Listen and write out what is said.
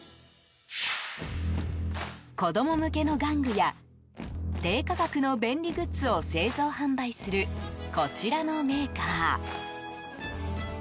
子供向けの玩具や低価格の便利グッズを製造・販売するこちらのメーカー。